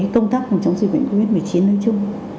công tác phòng chống dịch bệnh covid một mươi chín nói chung